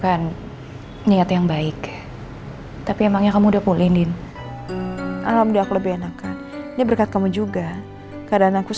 aku pakai cinta kepadamu connections ventus